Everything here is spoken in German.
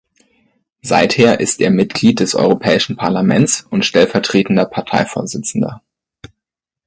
Seither ist er Mitglied des Europäischen Parlaments und stellvertretender Parteivorsitzender.